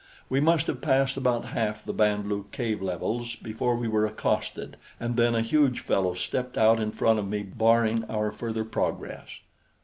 We must have passed about half the Band lu cave levels before we were accosted, and then a huge fellow stepped out in front of me, barring our further progress.